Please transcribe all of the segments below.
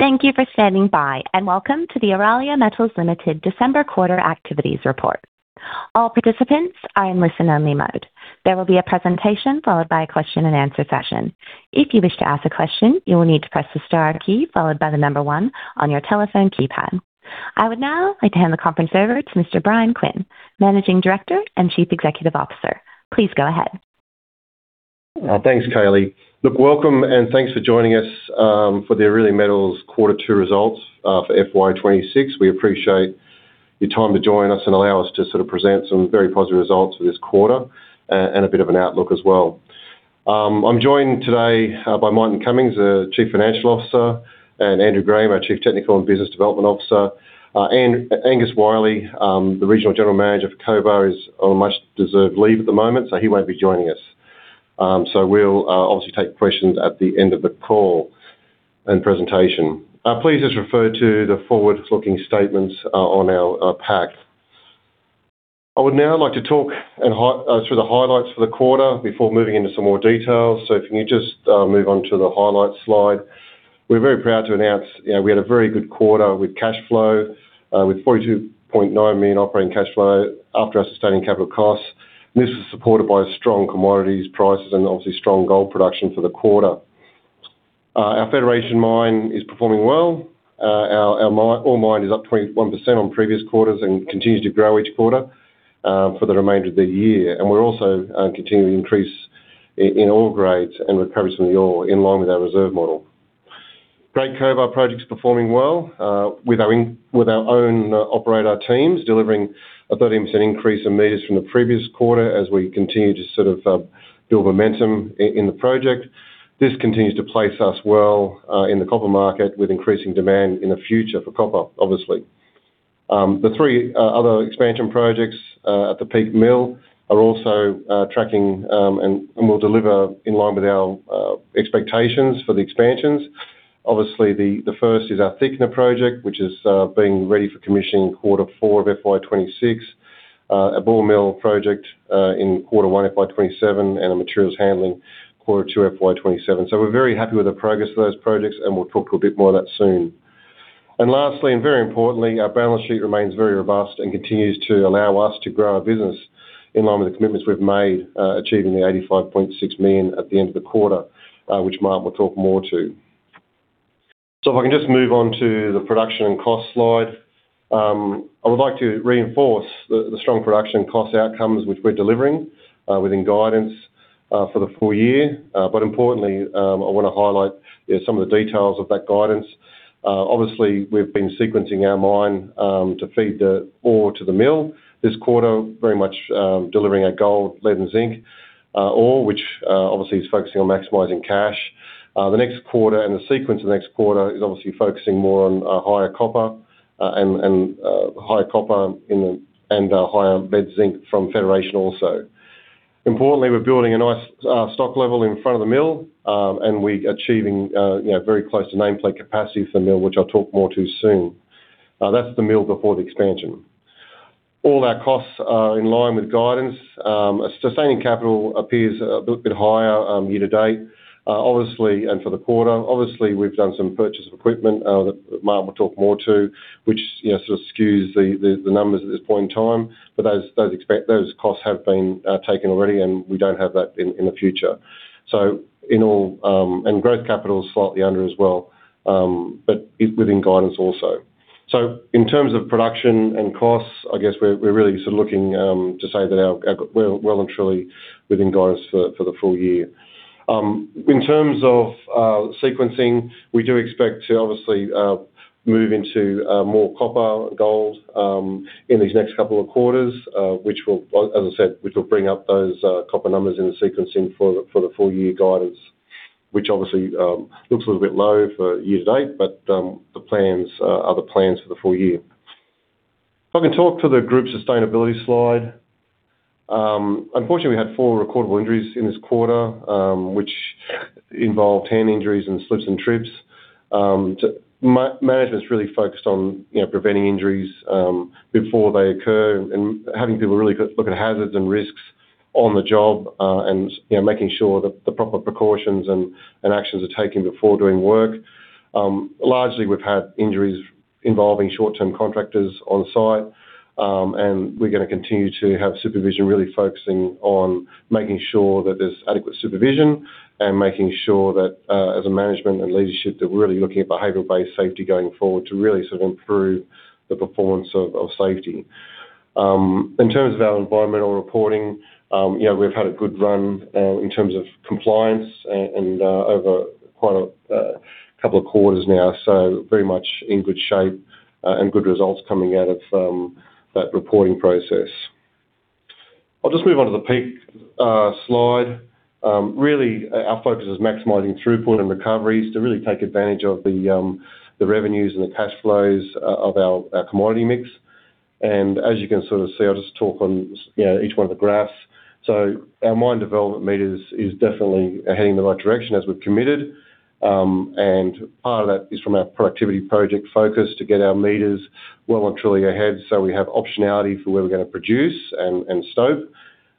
Thank you for standing by, and welcome to the Aurelia Metals Limited December Quarter Activities Report. All participants are in listen-only mode. There will be a presentation followed by a question-and-answer session. If you wish to ask a question, you will need to press the star key followed by the number one on your telephone keypad. I would now like to hand the conference over to Mr. Bryan Quinn, Managing Director and Chief Executive Officer. Please go ahead. Thanks, Kaylee. Look, welcome, and thanks for joining us for the Aurelia Metals quarter two results for FY2026. We appreciate your time to join us and allow us to sort of present some very positive results for this quarter and a bit of an outlook as well. I'm joined today by Martin Cummings, the Chief Financial Officer, and Andrew Graham, our Chief Technical and Business Development Officer. Angus Wyllie, the Regional General Manager for Cobar, is on much-deserved leave at the moment, so he won't be joining us. So we'll obviously take questions at the end of the call and presentation. Please just refer to the forward-looking statements on our pack. I would now like to talk through the highlights for the quarter before moving into some more details. So if you can just move on to the highlights slide. We're very proud to announce we had a very good quarter with cash flow, with 42.9 million operating cash flow after our sustaining capital costs. This was supported by strong commodities prices and obviously strong gold production for the quarter. Our Federation Mine is performing well. Our Peak Mine is up 21% on previous quarters and continues to grow each quarter for the remainder of the year. And we're also continuing to increase in ore grades and recovery from the ore in line with our reserve model. Great Cobar Project's performing well with our own operator teams delivering a 13% increase in meters from the previous quarter as we continue to sort of build momentum in the project. This continues to place us well in the copper market with increasing demand in the future for copper, obviously. The three other expansion projects at the Peak Mine are also tracking and will deliver in line with our expectations for the expansions. Obviously, the first is our thickener project, which is being ready for commissioning in quarter four of FY2026, a ball mill project in quarter one, FY2027, and a materials handling Quarter Two, FY2027. So we're very happy with the progress of those projects, and we'll talk to a bit more of that soon. Lastly, and very importantly, our balance sheet remains very robust and continues to allow us to grow our business in line with the commitments we've made, achieving 85.6 million at the end of the quarter, which Martin will talk more to. So if I can just move on to the production and cost slide, I would like to reinforce the strong production cost outcomes which we're delivering within guidance for the full year. But importantly, I want to highlight some of the details of that guidance. Obviously, we've been sequencing our mine to feed the ore to the mill this quarter, very much delivering our gold, lead, and zinc ore, which obviously is focusing on maximizing cash. The next quarter and the sequence of the next quarter is obviously focusing more on higher copper and higher copper and higher lead-zinc from Federation also. Importantly, we're building a nice stock level in front of the mill, and we're achieving very close to nameplate capacity for the mill, which I'll talk more to soon. That's the mill before the expansion. All our costs are in line with guidance. Sustaining capital appears a bit higher year to date, obviously, and for the quarter. Obviously, we've done some purchase of equipment that Martin will talk more to, which sort of skews the numbers at this point in time. But those costs have been taken already, and we don't have that in the future. So in all, and growth capital is slightly under as well, but within guidance also. So in terms of production and costs, I guess we're really sort of looking to say that we're well and truly within guidance for the full year. In terms of sequencing, we do expect to obviously move into more copper and gold in these next couple of quarters, which will, as I said, which will bring up those copper numbers in the sequencing for the full year guidance, which obviously looks a little bit low for year to date, but the plans are the plans for the full year. If I can talk to the group sustainability slide. Unfortunately, we had four recordable injuries in this quarter, which involved hand injuries and slips and trips. Management's really focused on preventing injuries before they occur and having people really look at hazards and risks on the job and making sure that the proper precautions and actions are taken before doing work. Largely, we've had injuries involving short-term contractors on site, and we're going to continue to have supervision really focusing on making sure that there's adequate supervision and making sure that as a management and leadership that we're really looking at behavioral-based safety going forward to really sort of improve the performance of safety. In terms of our environmental reporting, we've had a good run in terms of compliance and over quite a couple of quarters now, so very much in good shape and good results coming out of that reporting process. I'll just move on to the Peak slide. Really, our focus is maximizing throughput and recoveries to really take advantage of the revenues and the cash flows of our commodity mix. And as you can sort of see, I'll just talk on each one of the graphs. So our mine development meters is definitely heading in the right direction as we've committed. And part of that is from our productivity project focus to get our meters well and truly ahead so we have optionality for where we're going to produce and stope.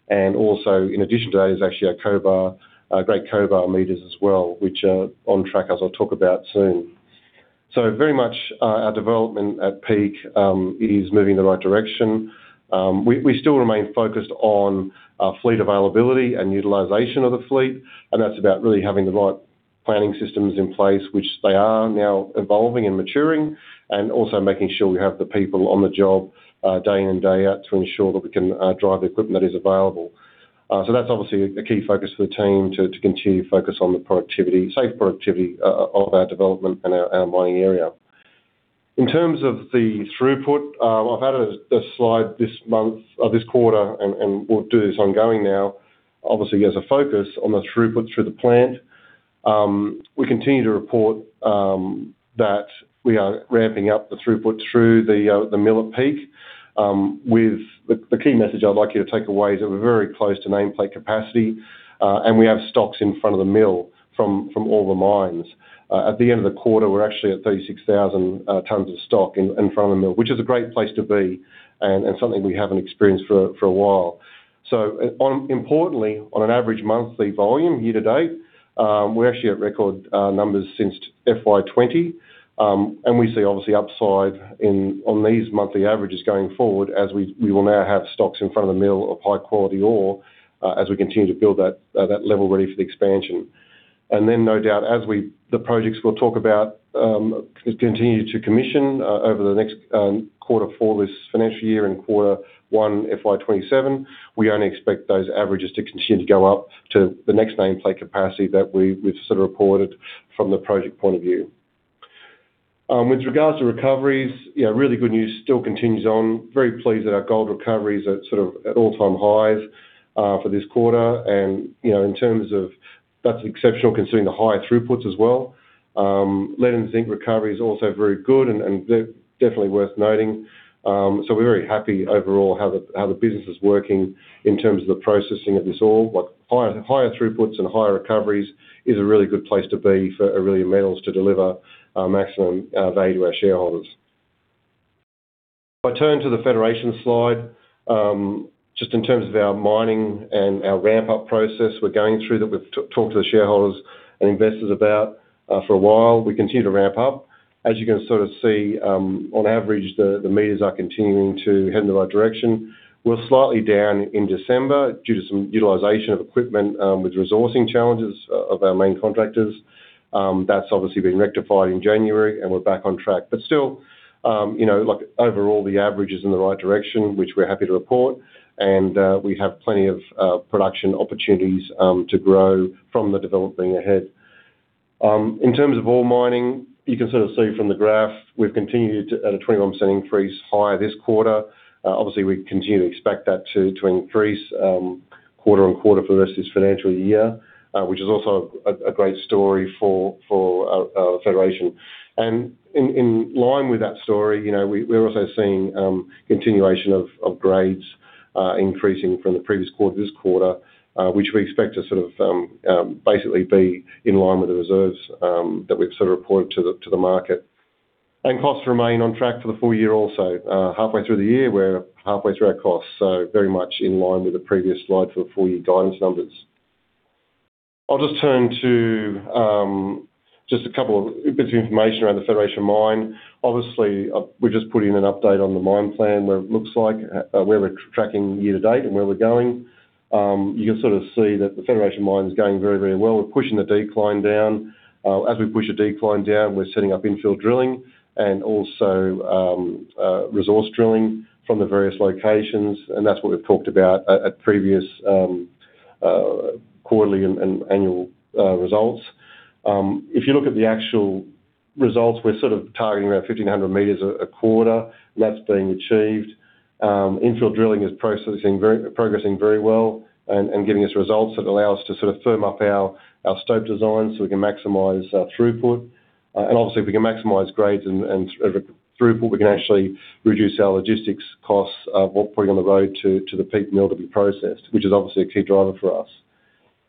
And also, in addition to that, is actually our Great Cobar meters as well, which are on track, as I'll talk about soon. So very much our development at Peak is moving in the right direction. We still remain focused on our fleet availability and utilization of the fleet, and that's about really having the right planning systems in place, which they are now evolving and maturing, and also making sure we have the people on the job day in and day out to ensure that we can drive the equipment that is available. So that's obviously a key focus for the team to continue to focus on the safe productivity of our development and our mining area. In terms of the throughput, I've added a slide this quarter, and we'll do this ongoing now, obviously as a focus on the throughput through the plant. We continue to report that we are ramping up the throughput through the mill at Peak. The key message I'd like you to take away is that we're very close to nameplate capacity, and we have stocks in front of the mill from all the mines. At the end of the quarter, we're actually at 36,000 tons of stock in front of the mill, which is a great place to be and something we haven't experienced for a while. So importantly, on an average monthly volume year to date, we're actually at record numbers since FY2020, and we see obviously upside on these monthly averages going forward as we will now have stocks in front of the mill of high-quality ore as we continue to build that level ready for the expansion. And then no doubt, as the projects we'll talk about continue to commission over the next quarter four, this financial year and quarter one, FY2027, we only expect those averages to continue to go up to the next nameplate capacity that we've sort of reported from the project point of view. With regards to recoveries, really good news still continues on. Very pleased that our gold recoveries are sort of at all-time highs for this quarter. And in terms of that's exceptional considering the high throughputs as well. Lead and zinc recoveries are also very good and definitely worth noting. So we're very happy overall how the business is working in terms of the processing of this ore. Higher throughputs and higher recoveries is a really good place to be for Aurelia Metals to deliver maximum value to our shareholders. If I turn to the Federation slide, just in terms of our mining and our ramp-up process we're going through that we've talked to the shareholders and investors about for a while, we continue to ramp up. As you can sort of see, on average, the meters are continuing to head in the right direction. We're slightly down in December due to some utilization of equipment with resourcing challenges of our main contractors. That's obviously been rectified in January, and we're back on track. But still, overall, the average is in the right direction, which we're happy to report, and we have plenty of production opportunities to grow from the development ahead. In terms of ore mining, you can sort of see from the graph we've continued at a 21% increase higher this quarter. Obviously, we continue to expect that to increase quarter on quarter for the rest of this financial year, which is also a great story for Federation. In line with that story, we're also seeing continuation of grades increasing from the previous quarter to this quarter, which we expect to sort of basically be in line with the reserves that we've sort of reported to the market. Costs remain on track for the full year also. Halfway through the year, we're halfway through our costs, so very much in line with the previous slide for the full year guidance numbers. I'll just turn to just a couple of bits of information around the Federation Mine. Obviously, we've just put in an update on the mine plan where it looks like where we're tracking year to date and where we're going. You can sort of see that the Federation Mine is going very, very well. We're pushing the decline down. As we push a decline down, we're setting up infill drilling and also resource drilling from the various locations, and that's what we've talked about at previous quarterly and annual results. If you look at the actual results, we're sort of targeting about 1,500 m a quarter, and that's being achieved. Infill drilling is progressing very well and giving us results that allow us to sort of firm up our stope design so we can maximize our throughput, and obviously, if we can maximize grades and throughput, we can actually reduce our logistics costs while putting on the road to the Peak mill to be processed, which is obviously a key driver for us,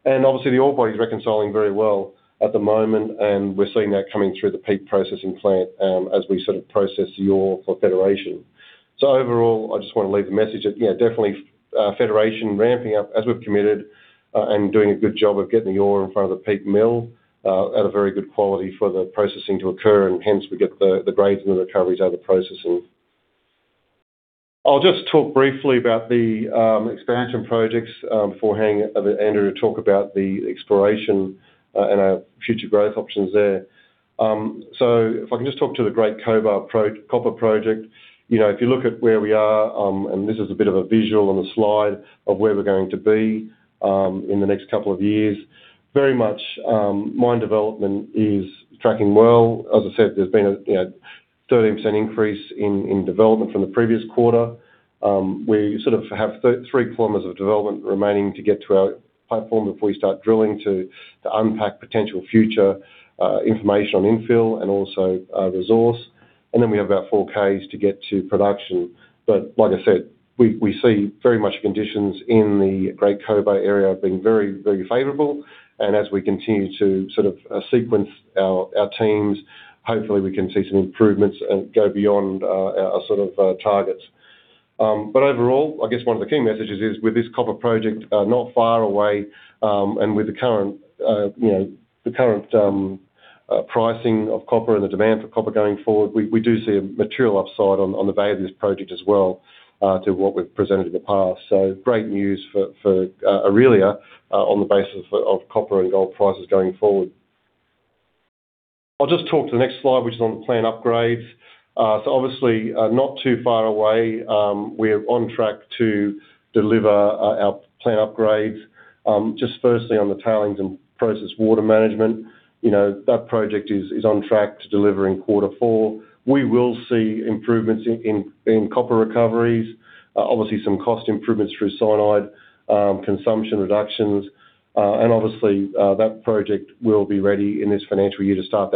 and obviously, the ore body is reconciling very well at the moment, and we're seeing that coming through the Peak processing plant as we sort of process the ore for Federation, so overall, I just want to leave the message that definitely Federation ramping up as we've committed and doing a good job of getting the ore in front of the Peak mill at a very good quality for the processing to occur, and hence we get the grades and the recoveries out of the processing. I'll just talk briefly about the expansion projects before handing it over to Andrew to talk about the exploration and our future growth options there. So if I can just talk to the Great Cobar Copper Project. If you look at where we are, and this is a bit of a visual on the slide of where we're going to be in the next couple of years, very much mine development is tracking well. As I said, there's been a 13% increase in development from the previous quarter. We sort of have 3 km of development remaining to get to our platform before we start drilling to unpack potential future information on infill and also resource. And then we have about four Ks to get to production. But like I said, we see very much conditions in the Great Cobar area being very, very favorable. As we continue to sort of sequence our teams, hopefully we can see some improvements and go beyond our sort of targets. Overall, I guess one of the key messages is with this copper project not far away and with the current pricing of copper and the demand for copper going forward, we do see a material upside on the value of this project as well to what we've presented in the past. Great news for Aurelia on the basis of copper and gold prices going forward. I'll just talk to the next slide, which is on the plant upgrades. Obviously, not too far away, we're on track to deliver our plant upgrades. Just firstly on the Tailings and Process Water Management, that project is on track to deliver in quarter four. We will see improvements in copper recoveries, obviously some cost improvements through cyanide consumption reductions, and obviously, that project will be ready in this financial year to start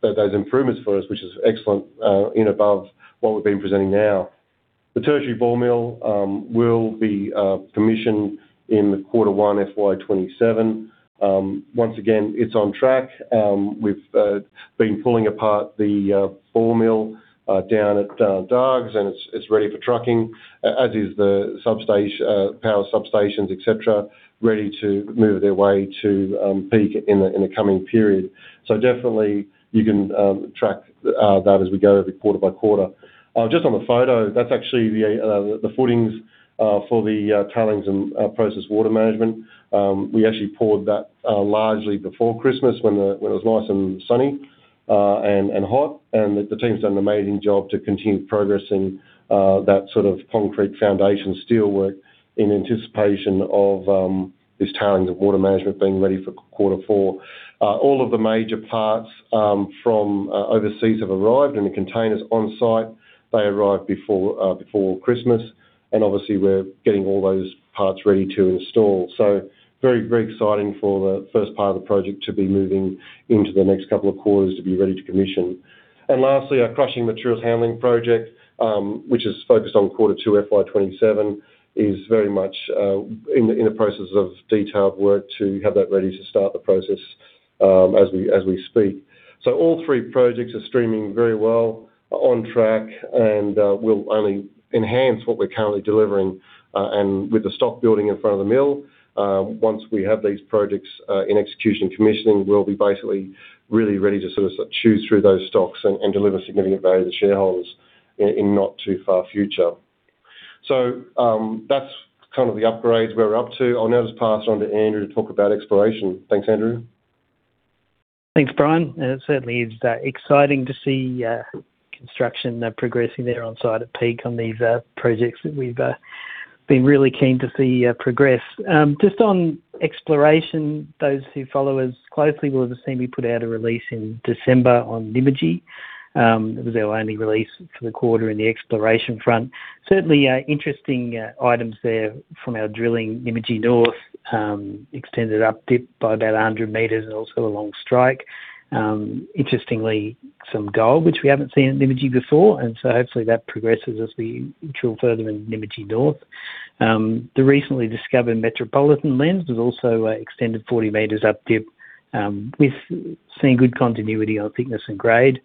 those improvements for us, which is excellent in and above what we've been presenting now. The tertiary ball mill will be commissioned in quarter one, FY2027. Once again, it's on track. We've been pulling apart the ball mill down at Dargues, and it's ready for trucking, as is the power substations, etc., ready to move their way to Peak in the coming period. Definitely, you can track that as we go every quarter by quarter. Just on the photo, that's actually the footings for the Tailings and Process Water Management. We actually poured that largely before Christmas when it was nice and sunny and hot. The team's done an amazing job to continue progressing that sort of concrete foundation steel work in anticipation of this tailings and water management being ready for quarter four. All of the major parts from overseas have arrived, and the containers on site. They arrived before Christmas. Obviously, we're getting all those parts ready to install. Very, very exciting for the first part of the project to be moving into the next couple of quarters to be ready to commission. Lastly, our Crushing Materials Handling Project, which is focused on quarter two, FY2027, is very much in the process of detailed work to have that ready to start the process as we speak. All three projects are streaming very well on track, and we'll only enhance what we're currently delivering. With the stock building in front of the mill, once we have these projects in execution and commissioning, we'll be basically really ready to sort of chew through those stocks and deliver significant value to shareholders in not too far future. So that's kind of the upgrades we're up to. I'll now just pass it on to Andrew to talk about exploration. Thanks, Andrew. Thanks, Bryan. It certainly is exciting to see construction progressing there on site at Peak on these projects that we've been really keen to see progress. Just on exploration, those who follow us closely will have seen we put out a release in December on Nymagee. It was our only release for the quarter in the exploration front. Certainly interesting items there from our drilling Nymagee North, extended up dip by about 100 m and also along strike. Interestingly, some gold, which we haven't seen at Nymagee before, and so hopefully that progresses as we drill further in Nymagee North. The recently discovered Metropolitan Lens was also extended 40 m up dip, seeing good continuity on thickness and grade,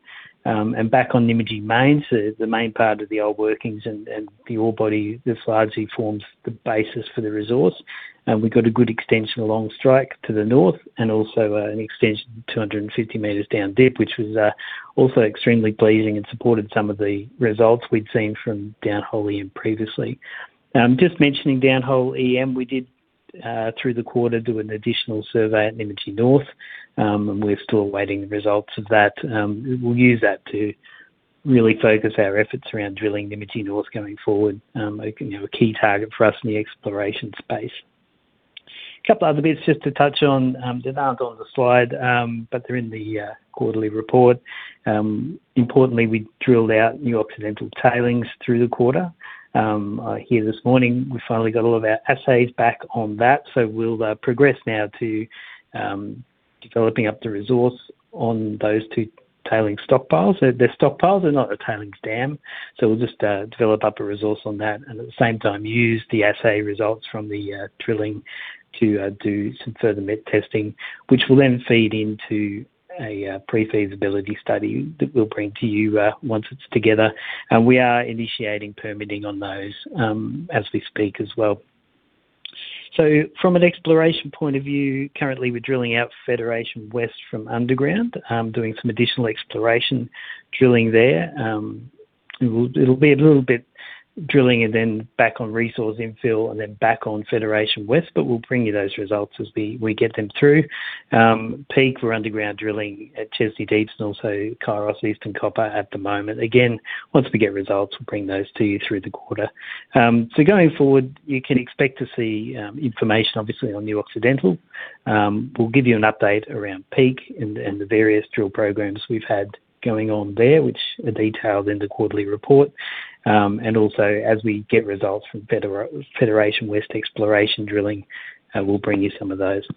and back on Nymagee Main, the main part of the old workings and the ore body, this largely forms the basis for the resource, and we've got a good extension along strike to the north and also an extension 250 m down dip, which was also extremely pleasing and supported some of the results we'd seen from Downhole EM previously. Just mentioning Downhole EM, we did through the quarter do an additional survey at Nymagee North, and we're still awaiting the results of that. We'll use that to really focus our efforts around drilling Nymagee North going forward, a key target for us in the exploration space. A couple of other bits just to touch on. They're not on the slide, but they're in the quarterly report. Importantly, we drilled out New Occidental tailings through the quarter. Here this morning, we finally got all of our assays back on that. So we'll progress now to developing up the resource on those two tailings stockpiles. Their stockpiles are not a tailings dam, so we'll just develop up a resource on that and at the same time use the assay results from the drilling to do some further met testing, which will then feed into a pre-feasibility study that we'll bring to you once it's together. And we are initiating permitting on those as we speak as well. So from an exploration point of view, currently we're drilling out Federation West from underground, doing some additional exploration drilling there. It'll be a little bit drilling and then back on resource infill and then back on Federation West, but we'll bring you those results as we get them through. Peak for underground drilling at Chesney Deeps and also Kairos Eastern Copper at the moment. Again, once we get results, we'll bring those to you through the quarter. So going forward, you can expect to see information, obviously, on New Occidental. We'll give you an update around Peak and the various drill programs we've had going on there, which are detailed in the quarterly report. And also, as we get results from Federation West exploration drilling, we'll bring you some of those.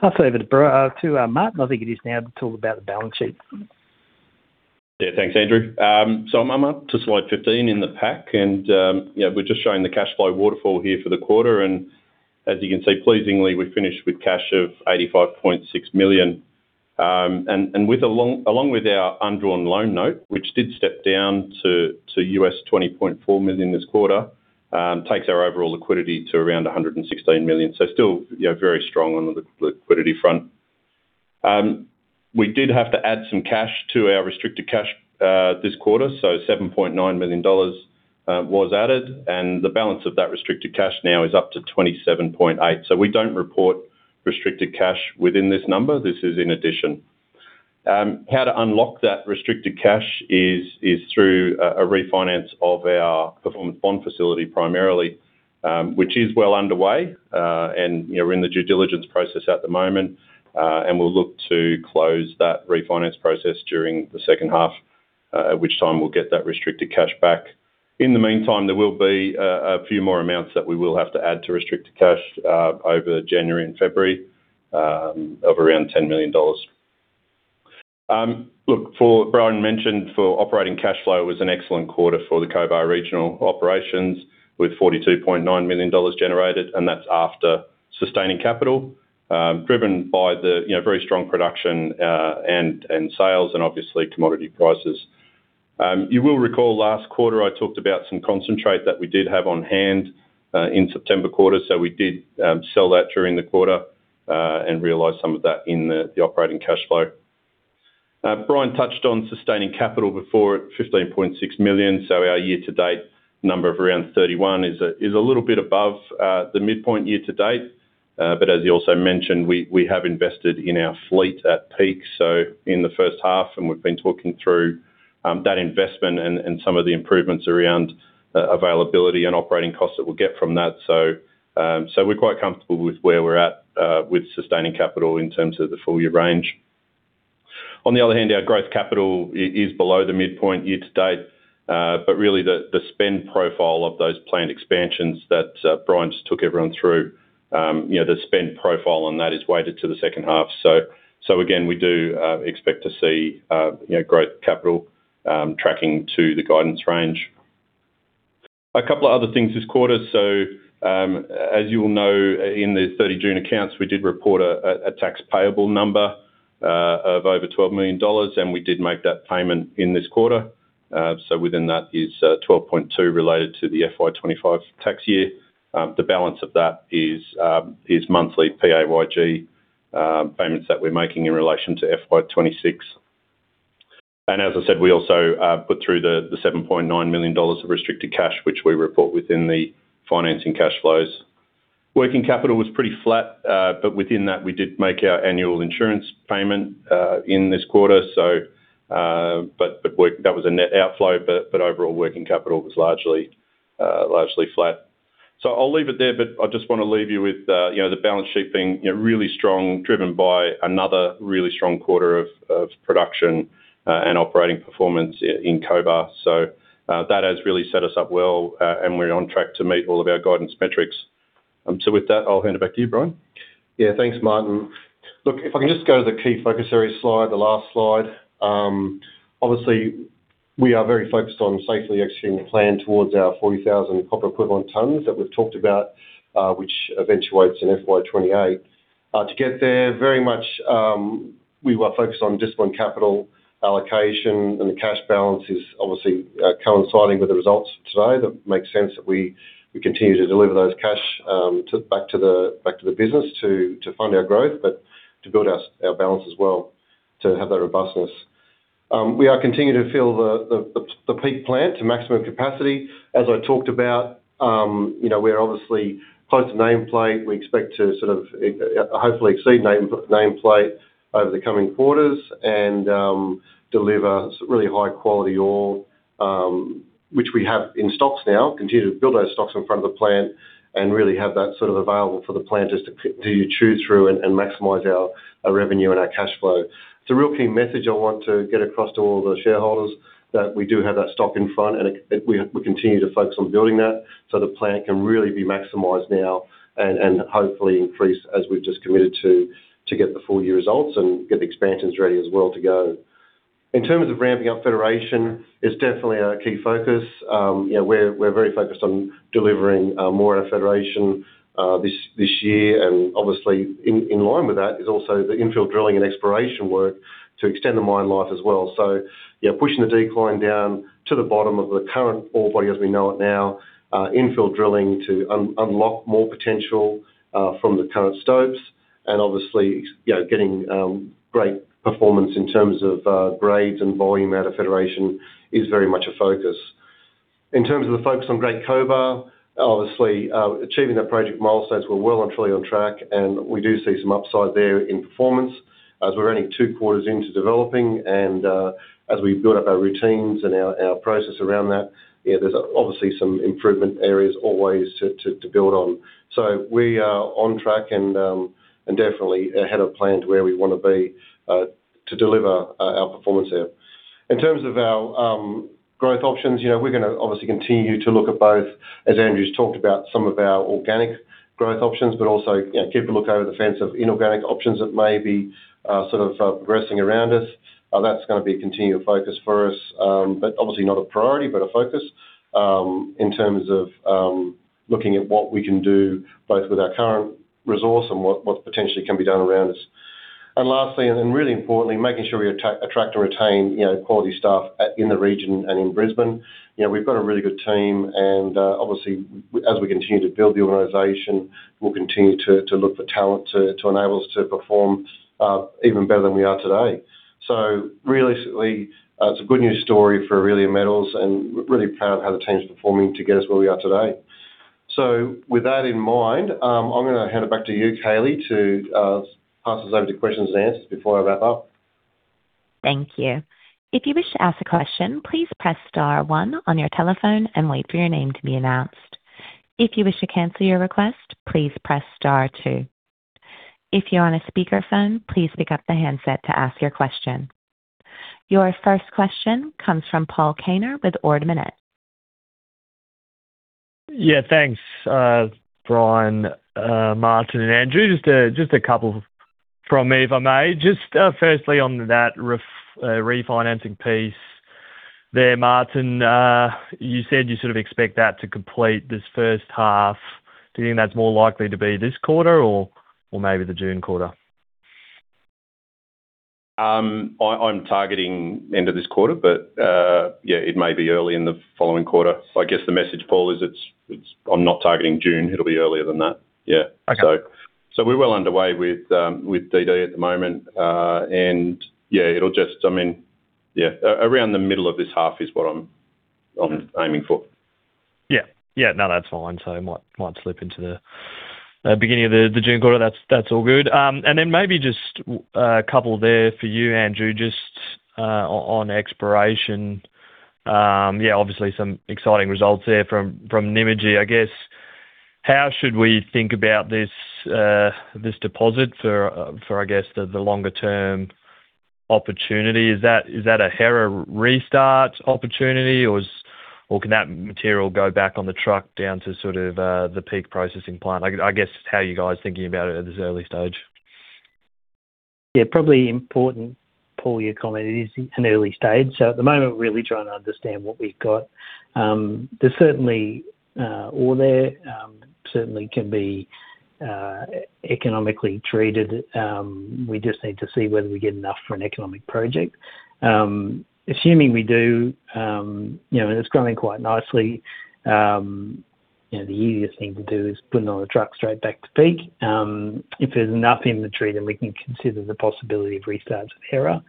Pass over to Martin. I think it is now to talk about the balance sheet. Yeah, thanks, Andrew. So I'm up to slide 15 in the pack, and we're just showing the cash flow waterfall here for the quarter. As you can see, pleasingly, we finished with cash of 85.6 million. Along with our undrawn loan note, which did step down to $20.4 million this quarter, takes our overall liquidity to around 116 million. Still very strong on the liquidity front. We did have to add some cash to our restricted cash this quarter, so $7.9 million was added, and the balance of that restricted cash now is up to $27.8 million. We don't report restricted cash within this number. This is in addition. How to unlock that restricted cash is through a refinance of our performance bond facility primarily, which is well underway, and we're in the due diligence process at the moment. We'll look to close that refinance process during the second half, at which time we'll get that restricted cash back. In the meantime, there will be a few more amounts that we will have to add to restricted cash over January and February of around 10 million dollars. Look, Bryan mentioned for operating cash flow was an excellent quarter for the Cobar Regional Operations with 42.9 million dollars generated, and that's after sustaining capital driven by the very strong production and sales and obviously commodity prices. You will recall last quarter I talked about some concentrate that we did have on hand in September quarter, so we did sell that during the quarter and realize some of that in the operating cash flow. Bryan touched on sustaining capital before at 15.6 million. So our year-to-date number of around 31 is a little bit above the midpoint year-to-date. But as you also mentioned, we have invested in our fleet at Peak, so in the first half, and we've been talking through that investment and some of the improvements around availability and operating costs that we'll get from that. So we're quite comfortable with where we're at with sustaining capital in terms of the full year range. On the other hand, our growth capital is below the midpoint year-to-date, but really the spend profile of those planned expansions that Bryan just took everyone through, the spend profile on that is weighted to the second half. So again, we do expect to see growth capital tracking to the guidance range. A couple of other things this quarter. So as you will know, in the 30 June accounts, we did report a tax payable number of over 12 million dollars, and we did make that payment in this quarter. So within that is 12.2 million related to the FY2025 tax year. The balance of that is monthly PAYG payments that we're making in relation to FY2026. And as I said, we also put through the 7.9 million dollars of restricted cash, which we report within the financing cash flows. Working capital was pretty flat, but within that, we did make our annual insurance payment in this quarter. But that was a net outflow, but overall working capital was largely flat. So I'll leave it there, but I just want to leave you with the balance sheet being really strong, driven by another really strong quarter of production and operating performance in Cobar. So that has really set us up well, and we're on track to meet all of our guidance metrics. So with that, I'll hand it back to you, Bryan. Yeah, thanks, Martin. Look, if I can just go to the key focus area slide, the last slide. Obviously, we are very focused on safely executing the plan towards our 40,000 copper equivalent tons that we've talked about, which eventuates in FY2028. To get there, very much we were focused on disciplined capital allocation, and the cash balance is obviously coinciding with the results today. That makes sense that we continue to deliver those cash back to the business to fund our growth, but to build our balance as well to have that robustness. We are continuing to fill the Peak plant to maximum capacity. As I talked about, we're obviously close to nameplate. We expect to sort of hopefully exceed nameplate over the coming quarters and deliver really high quality ore, which we have in stock now, continue to build our stock in front of the plant and really have that sort of available for the plant to chew through and maximize our revenue and our cash flow. It's a real key message I want to get across to all the shareholders that we do have that stock in front, and we continue to focus on building that so the plant can really be maximized now and hopefully increase as we've just committed to get the full year results and get the expansions ready as well to go. In terms of ramping up Federation, it's definitely a key focus. We're very focused on delivering more at our Federation this year. And obviously, in line with that is also the infill drilling and exploration work to extend the mine life as well. So pushing the decline down to the bottom of the current ore body as we know it now, infill drilling to unlock more potential from the current stopes. And obviously, getting great performance in terms of grades and volume out of Federation is very much a focus. In terms of the focus on Great Cobar, obviously, achieving that project milestones were well and truly on track, and we do see some upside there in performance as we're only two quarters into developing. And as we build up our routines and our process around that, there's obviously some improvement areas always to build on. So we are on track and definitely ahead of plan to where we want to be to deliver our performance there. In terms of our growth options, we're going to obviously continue to look at both, as Andrew's talked about, some of our organic growth options, but also keep a look over the fence of inorganic options that may be sort of progressing around us. That's going to be a continual focus for us, but obviously not a priority, but a focus in terms of looking at what we can do both with our current resource and what potentially can be done around us. And lastly, and really importantly, making sure we attract and retain quality staff in the region and in Brisbane. We've got a really good team, and obviously, as we continue to build the organization, we'll continue to look for talent to enable us to perform even better than we are today. So really, it's a good news story for Aurelia Metals, and really proud of how the team's performing to get us where we are today. So with that in mind, I'm going to hand it back to you, Kaylee, to pass us over to questions and answers before I wrap up. Thank you. If you wish to ask a question, please press star one on your telephone and wait for your name to be announced. If you wish to cancel your request, please press star two. If you're on a speakerphone, please pick up the handset to ask your question. Your first question comes from Paul Kaner with Ord Minnett. Yeah, thanks, Bryan, Martin, and Andrew. Just a couple from me, if I may. Just firstly on that refinancing piece there, Martin, you said you sort of expect that to complete this first half. Do you think that's more likely to be this quarter or maybe the June quarter? I'm targeting end of this quarter, but yeah, it may be early in the following quarter. I guess the message, Paul, is I'm not targeting June. It'll be earlier than that. Yeah. So we're well underway with DD at the moment. And yeah, it'll just, I mean, yeah, around the middle of this half is what I'm aiming for. Yeah. Yeah. No, that's fine. So it might slip into the beginning of the June quarter. That's all good. And then maybe just a couple there for you, Andrew, just on exploration. Yeah, obviously some exciting results there from Nymagee. I guess, how should we think about this deposit for, I guess, the longer-term opportunity? Is that a Hera restart opportunity, or can that material go back on the truck down to sort of the Peak processing plant? I guess how are you guys thinking about it at this early stage? Yeah, probably important, Paul, your comment. It is an early stage. So at the moment, we're really trying to understand what we've got. There's certainly ore there. Certainly can be economically treated. We just need to see whether we get enough for an economic project. Assuming we do, and it's growing quite nicely, the easiest thing to do is put another truck straight back to Peak. If there's enough inventory, then we can consider the possibility of restarts of Hera.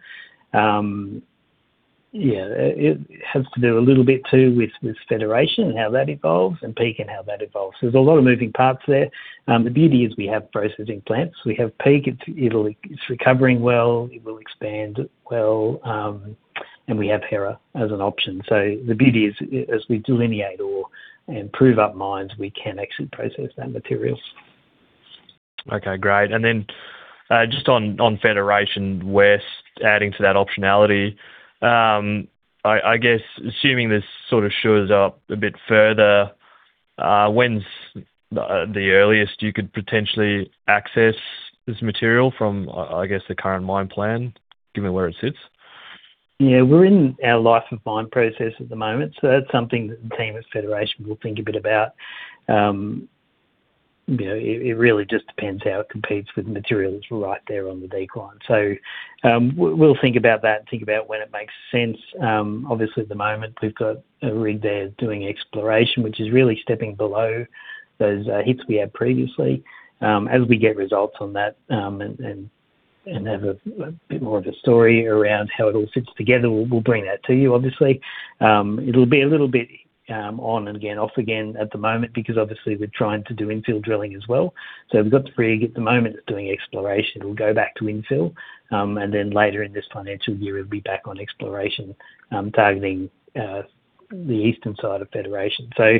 Yeah, it has to do a little bit too with Federation and how that evolves and Peak and how that evolves. There's a lot of moving parts there. The beauty is we have processing plants. We have Peak. It's recovering well. It will expand well. And we have Hera as an option. So the beauty is as we delineate or improve up mines, we can actually process that material. Okay, great. And then just on Federation West, adding to that optionality, I guess, assuming this sort of shows up a bit further, when's the earliest you could potentially access this material from, I guess, the current mine plan, given where it sits? Yeah, we're in our life of mine process at the moment. So that's something that the team at Federation will think a bit about. It really just depends how it competes with the materials right there on the decline. So we'll think about that and think about when it makes sense. Obviously, at the moment, we've got a rig there doing exploration, which is really stepping below those hits we had previously. As we get results on that and have a bit more of a story around how it all fits together, we'll bring that to you, obviously. It'll be a little bit on and again, off again at the moment because obviously we're trying to do infill drilling as well. So we've got the rig at the moment doing exploration. It'll go back to infill. And then later in this financial year, it'll be back on exploration, targeting the eastern side of Federation. So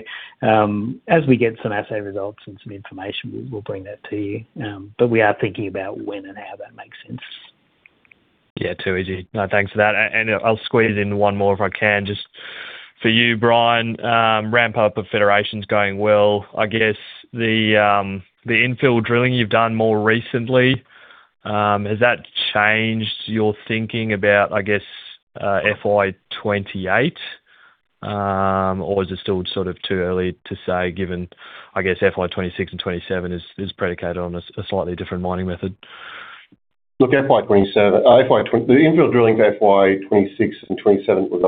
as we get some assay results and some information, we'll bring that to you. But we are thinking about when and how that makes sense. Yeah, too easy. No, thanks for that. And I'll squeeze in one more if I can. Just for you, Bryan, ramp up of Federation's going well. I guess the infill drilling you've done more recently, has that changed your thinking about, I guess, FY2028, or is it still sort of too early to say given, I guess, FY2026 and 2027 is predicated on a slightly different mining method? Look, the infill drilling for FY2026 and 2027, we've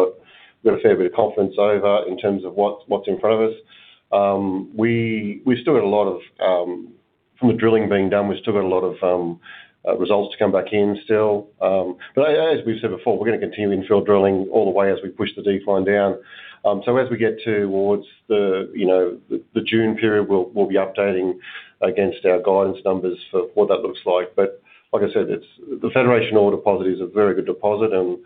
got a fair bit of confidence in terms of what's in front of us. We've still got a lot to come from the drilling being done. We've still got a lot of results to come back in. But as we've said before, we're going to continue infill drilling all the way as we push the decline down. As we get towards the June period, we'll be updating against our guidance numbers for what that looks like. But like I said, the Federation ore deposit is a very good deposit, and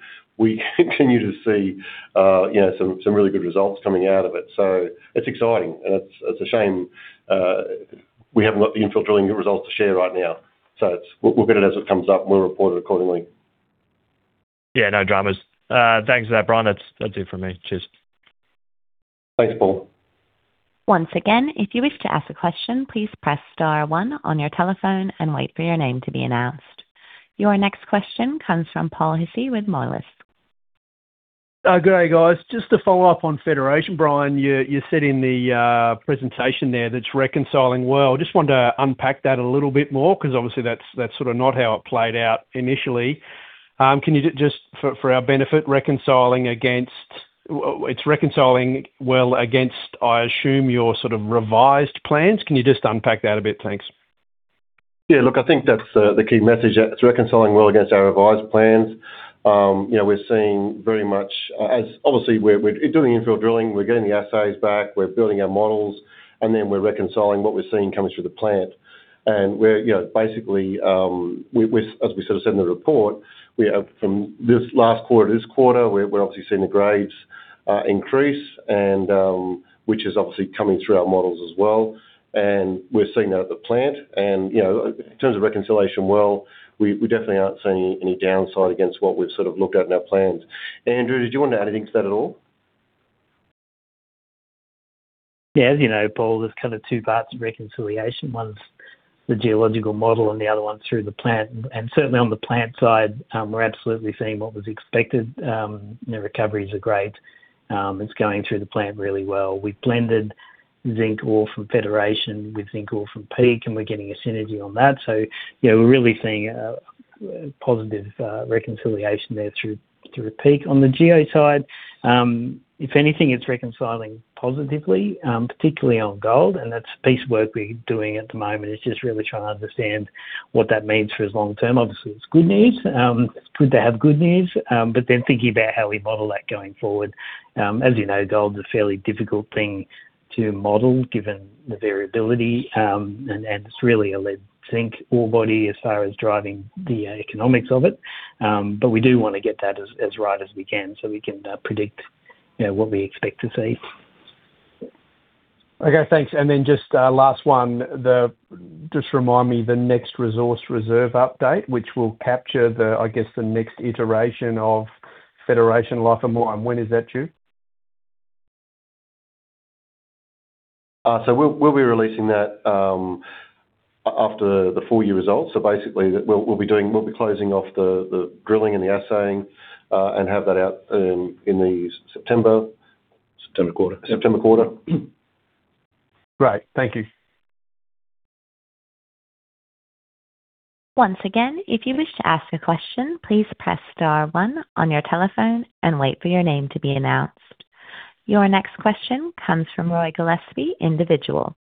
we continue to see some really good results coming out of it. So it's exciting. And it's a shame we haven't got the infill drilling results to share right now. So we'll get it as it comes up, and we'll report it accordingly. Yeah, no dramas. Thanks for that, Bryan. That's it for me. Cheers. Thanks, Paul. Once again, if you wish to ask a question, please press star one on your telephone and wait for your name to be announced. Your next question comes from Paul Hissey with Moelis. Good day, guys. Just to follow up on Federation, Bryan, you said in the presentation there that's reconciling well. I just want to unpack that a little bit more because obviously that's sort of not how it played out initially. Can you just, for our benefit, it's reconciling well against, I assume, your sort of revised plans? Can you just unpack that a bit? Thanks. Yeah, look, I think that's the key message. It's reconciling well against our revised plans. We're seeing very much as obviously we're doing infill drilling, we're getting the assays back, we're building our models, and then we're reconciling what we're seeing coming through the plant. And basically, as we sort of said in the report, from this last quarter to this quarter, we're obviously seeing the grades increase, which is obviously coming through our models as well. And we're seeing that at the plant. And in terms of reconciliation, well, we definitely aren't seeing any downside against what we've sort of looked at in our plans. Andrew, did you want to add anything to that at all? Yeah, as you know, Paul, there's kind of two parts of reconciliation. One's the geological model and the other one's through the plant. And certainly on the plant side, we're absolutely seeing what was expected. The recoveries are great. It's going through the plant really well. We've blended zinc ore from Federation with zinc ore from Peak, and we're getting a synergy on that. So we're really seeing a positive reconciliation there through Peak. On the geo side, if anything, it's reconciling positively, particularly on gold. And that's a piece of work we're doing at the moment. It's just really trying to understand what that means for us long term. Obviously, it's good news. It's good to have good news. But then thinking about how we model that going forward. As you know, gold is a fairly difficult thing to model given the variability. And it's really a lead zinc ore body as far as driving the economics of it. But we do want to get that as right as we can so we can predict what we expect to see. Okay, thanks. And then just last one, just remind me the next resource reserve update, which will capture, I guess, the next iteration of Federation life and more. And when is that due? So we'll be releasing that after the full year results. So basically, we'll be closing off the drilling and the assaying and have that out in the September quarter. September quarter. Great. Thank you. Once again, if you wish to ask a question, please press star one on your telephone and wait for your name to be announced. Your next question comes from Roy Gillespie, individual.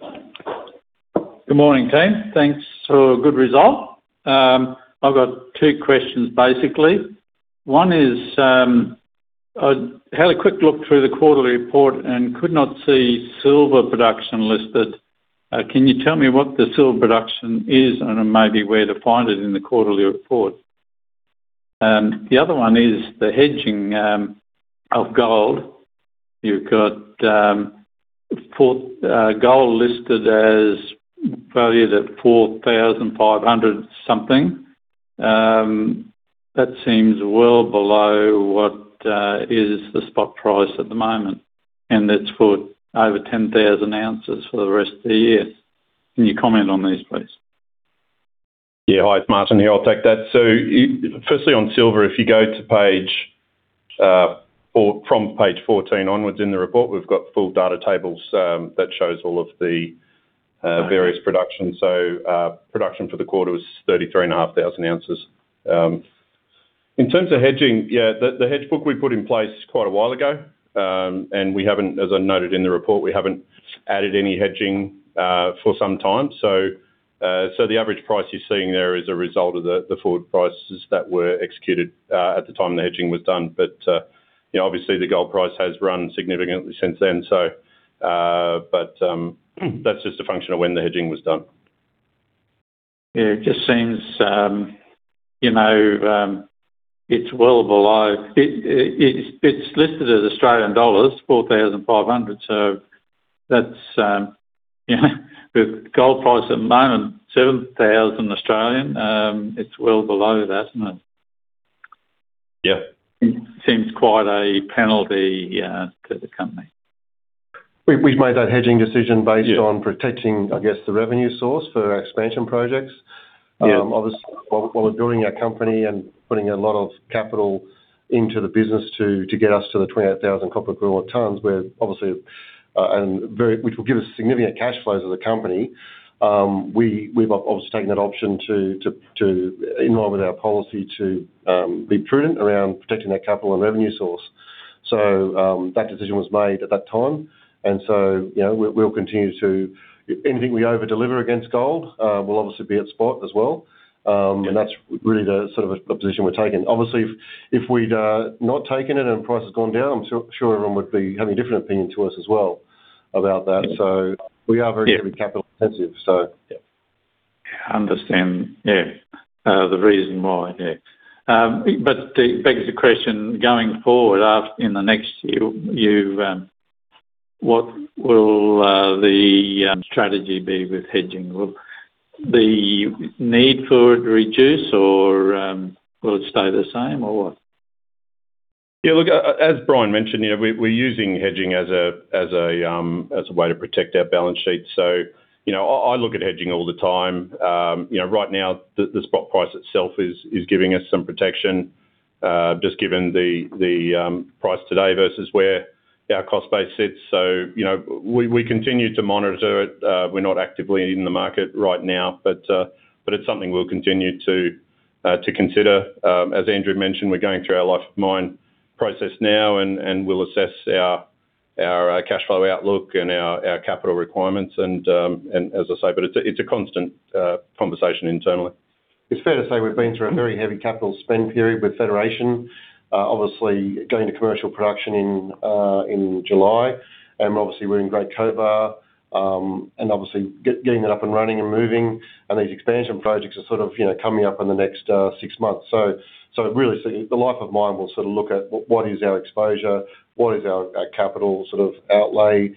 Good morning, team. Thanks for a good result. I've got two questions, basically. One is I had a quick look through the quarterly report and could not see silver production listed. Can you tell me what the silver production is and maybe where to find it in the quarterly report? The other one is the hedging of gold. You've got gold listed as valued at 4,500 something. That seems well below what is the spot price at the moment. And that's for over 10,000 ounces for the rest of the year. Can you comment on these, please? Yeah, hi, it's Martin here. I'll take that. So firstly on silver, if you go to page from page 14 onwards in the report, we've got full data tables that show all of the various productions. So production for the quarter was 33,500 ounces. In terms of hedging, yeah, the hedge book we put in place quite a while ago. As I noted in the report, we haven't added any hedging for some time. The average price you're seeing there is a result of the forward prices that were executed at the time the hedging was done. Obviously, the gold price has run significantly since then. That's just a function of when the hedging was done. Yeah, it just seems it's well below. It's listed as AUD 4,500. With gold price at the moment, 7,000. It's well below that, isn't it? Yeah. It seems quite a penalty to the company. We've made that hedging decision based on protecting, I guess, the revenue source for expansion projects. Obviously, while we're building our company and putting a lot of capital into the business to get us to the 28,000 copper equivalent tons, which will give us significant cash flows as a company, we've obviously taken that option to, in line with our policy, to be prudent around protecting that capital and revenue source. So that decision was made at that time. And so we'll continue to anything we overdeliver against gold will obviously be at spot as well. And that's really the sort of position we're taking. Obviously, if we'd not taken it and price had gone down, I'm sure everyone would be having a different opinion to us as well about that. So we are very heavily capital intensive, so. Yeah. I understand. Yeah. The reason why. Yeah. But the biggest question going forward in the next year, what will the strategy be with hedging? Will the need for it reduce or will it stay the same or what? Yeah, look, as Bryan mentioned, we're using hedging as a way to protect our balance sheet. So I look at hedging all the time. Right now, the spot price itself is giving us some protection, just given the price today versus where our cost base sits. So we continue to monitor it. We're not actively in the market right now, but it's something we'll continue to consider. As Andrew mentioned, we're going through our life of mine process now, and we'll assess our cash flow outlook and our capital requirements. And as I say, but it's a constant conversation internally. It's fair to say we've been through a very heavy capital spend period with Federation, obviously going to commercial production in July. Obviously, we're in great Cobar and obviously getting it up and running and moving. These expansion projects are sort of coming up in the next six months. Really, the life of mine will sort of look at what is our exposure, what is our capital sort of outlay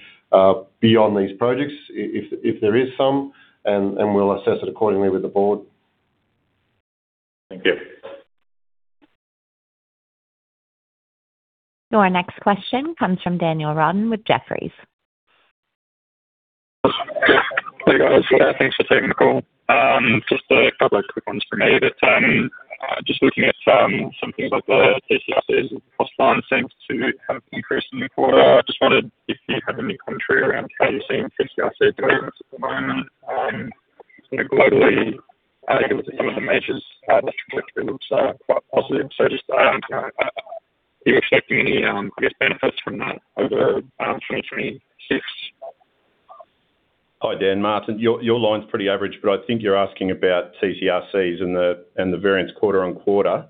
beyond these projects, if there is some, and we'll assess it accordingly with the board. Thank you. Your next question comes from Daniel Roden with Jefferies. Hey, guys. Thanks for taking the call. Just a couple of quick ones for me. Just looking at some things like the TC/RCs cost line, seems to have increased in the quarter. I just wondered if you had any commentary around how you're seeing TC/RCs doing at the moment. Globally, some of the majors, electric vehicles, it looks quite positive. So just are you expecting any, I guess, benefits from that over 2026? Hi, Dan Martin. Your line's pretty average, but I think you're asking about TC/RCs and the variance quarter on quarter.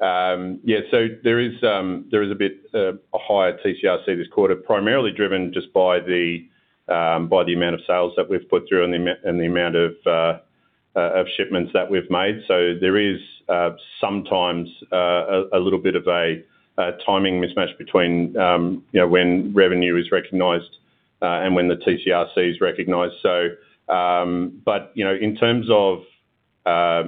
Yeah, so there is a bit of a higher TC/RC this quarter, primarily driven just by the amount of sales that we've put through and the amount of shipments that we've made. So there is sometimes a little bit of a timing mismatch between when revenue is recognized and when the TCRC is recognized. But in terms of our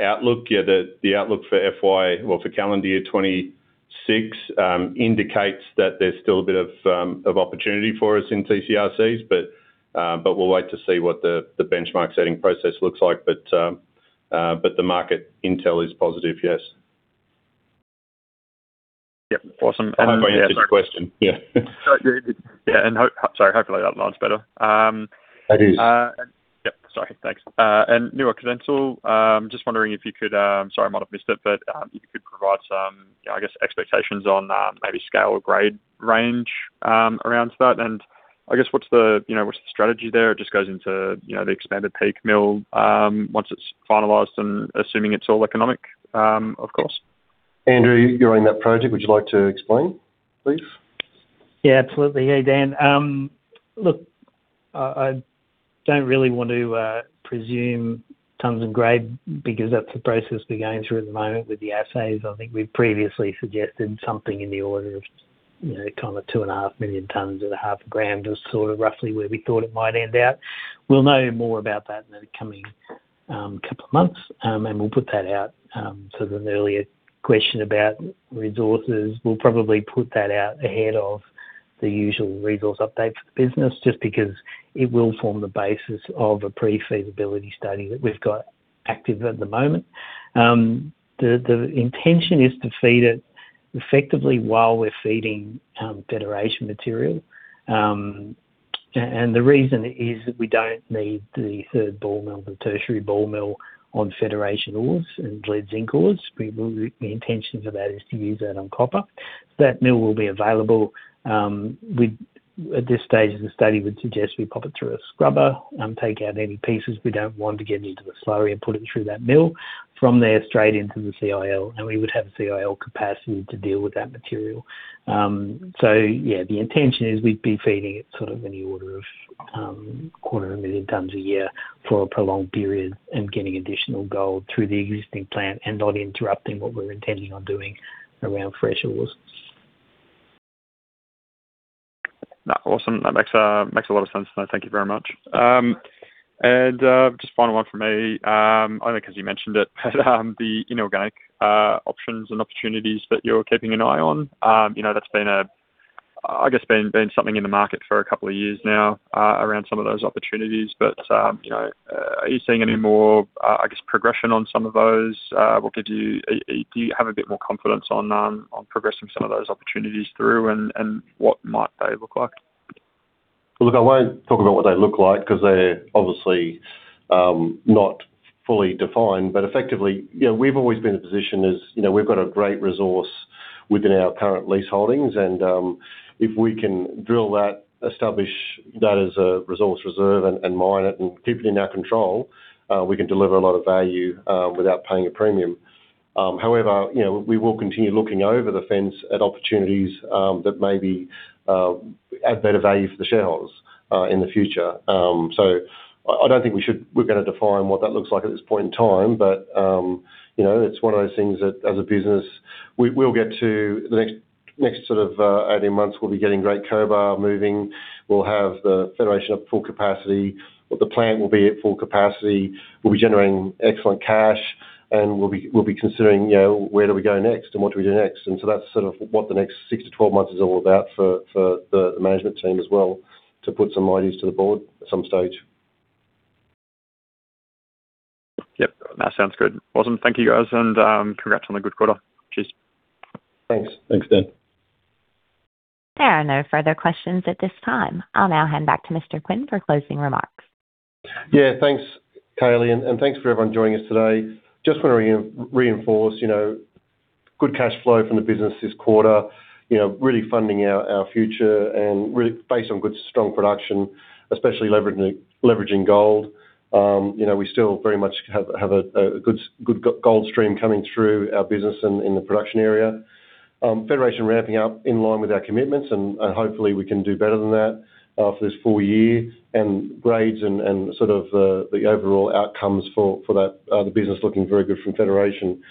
outlook, the outlook for FY or for calendar year 2026 indicates that there's still a bit of opportunity for us in TC/RCs, but we'll wait to see what the benchmark setting process looks like. But the market intel is positive, yes. Yep. Awesome. And hopefully, that's the question. Yeah. Yeah. And sorry, hopefully that line's better. That is. Yep. Sorry. Thanks. New Occidental, just wondering if you could. Sorry, I might have missed it, but if you could provide some, I guess, expectations on maybe scale or grade range around that. I guess what's the strategy there? It just goes into the expanded Peak mill once it's finalized and assuming it's all economic, of course. Andrew, you're running that project. Would you like to explain, please? Yeah, absolutely. Hey, Dan. Look, I don't really want to presume tons and grade because that's the process we're going through at the moment with the assays. I think we've previously suggested something in the order of kind of two and a half million tons and a half a gram is sort of roughly where we thought it might end out. We'll know more about that in the coming couple of months, and we'll put that out. So the earlier question about resources, we'll probably put that out ahead of the usual resource update for the business just because it will form the basis of a pre-feasibility study that we've got active at the moment. The intention is to feed it effectively while we're feeding Federation material. And the reason is that we don't need the third ball mill, the tertiary ball mill on Federation ores and lead zinc ores. The intention for that is to use that on copper. So that mill will be available. At this stage, the study would suggest we pop it through a scrubber, take out any pieces we don't want to get into the slurry, and put it through that mill from there straight into the CIL. And we would have a CIL capacity to deal with that material. So yeah, the intention is we'd be feeding it sort of in the order of 250,000 tons a year for a prolonged period and getting additional gold through the existing plant and not interrupting what we're intending on doing around fresh ores. Awesome. That makes a lot of sense. Thank you very much. And just final one for me, I think because you mentioned it, the inorganic options and opportunities that you're keeping an eye on. That's been, I guess, something in the market for a couple of years now around some of those opportunities. But are you seeing any more, I guess, progression on some of those? Do you have a bit more confidence on progressing some of those opportunities through and what might they look like? Look, I won't talk about what they look like because they're obviously not fully defined. But effectively, we've always been in a position as we've got a great resource within our current lease holdings. And if we can drill that, establish that as a resource reserve, and mine it, and keep it in our control, we can deliver a lot of value without paying a premium. However, we will continue looking over the fence at opportunities that maybe add better value for the shareholders in the future. So I don't think we're going to define what that looks like at this point in time. But it's one of those things that, as a business, we'll get to the next sort of 18 months, we'll be getting great Cobar moving. We'll have the Federation at full capacity. The plant will be at full capacity. We'll be generating excellent cash. And we'll be considering where do we go next and what do we do next. And so that's sort of what the next six to 12 months is all about for the management team as well to put some ideas to the board at some stage. Yep. That sounds good. Awesome. Thank you, guys. And congrats on a good quarter. Cheers. Thanks. Thanks, Dan. There are no further questions at this time. I'll now hand back to Mr. Quinn for closing remarks. Yeah. Thanks, Kaylee. And thanks for everyone joining us today. Just want to reinforce good cash flow from the business this quarter, really funding our future. And based on good, strong production, especially leveraging gold, we still very much have a good gold stream coming through our business in the production area. Federation ramping up in line with our commitments. And hopefully, we can do better than that for this full year. And grades and sort of the overall outcomes for the business looking very good from Federation.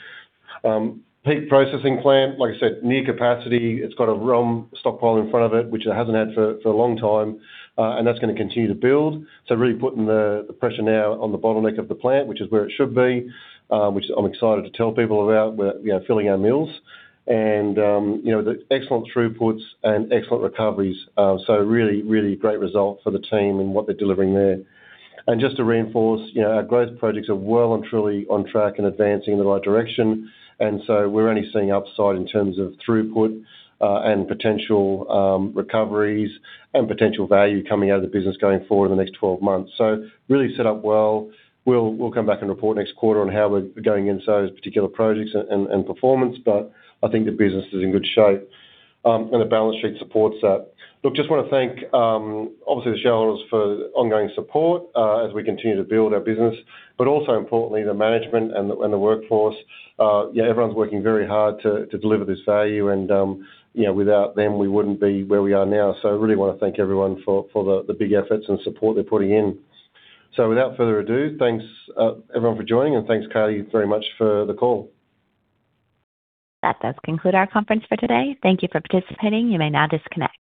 Peak processing plant, like I said, near capacity. It's got a ROM stockpile in front of it, which it hasn't had for a long time. And that's going to continue to build. So really putting the pressure now on the bottleneck of the plant, which is where it should be, which I'm excited to tell people about, filling our mills. And the excellent throughputs and excellent recoveries. So really, really great result for the team and what they're delivering there. And just to reinforce, our growth projects are well and truly on track and advancing in the right direction. And so we're only seeing upside in terms of throughput and potential recoveries and potential value coming out of the business going forward in the next 12 months. So really set up well. We'll come back and report next quarter on how we're going in those particular projects and performance, but I think the business is in good shape, and the balance sheet supports that. Look, just want to thank, obviously, the shareholders for ongoing support as we continue to build our business, but also importantly, the management and the workforce. Yeah, everyone's working very hard to deliver this value, and without them, we wouldn't be where we are now, so I really want to thank everyone for the big efforts and support they're putting in, so without further ado, thanks everyone for joining, and thanks, Kaylee, very much for the call. That does conclude our conference for today. Thank you for participating. You may now disconnect.